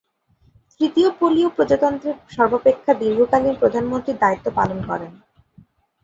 তৃতীয় পোলীয় প্রজাতন্ত্রের সর্বাপেক্ষা দীর্ঘকালীন প্রধানমন্ত্রীর দায়িত্ব পালন করেন।